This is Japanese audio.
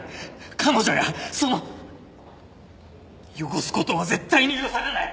彼女やその汚す事は絶対に許されない！